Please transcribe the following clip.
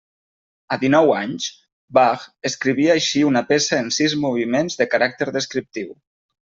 A dinou anys, Bach escrivia així una peça en sis moviments de caràcter descriptiu.